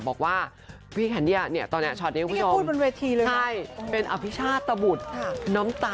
บอกว่าพี่แคนดี้เนี่ยตอนนี้ช็อตนี้คุณผู้ชม